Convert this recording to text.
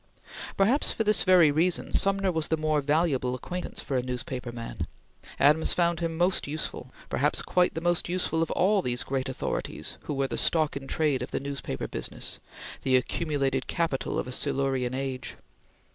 Perhaps for this very reason, Sumner was the more valuable acquaintance for a newspaper man. Adams found him most useful; perhaps quite the most useful of all these great authorities who were the stock in trade of the newspaper business; the accumulated capital of a Silurian age.